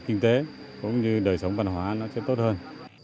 kinh tế cũng như đời sống văn hóa nó sẽ tốt hơn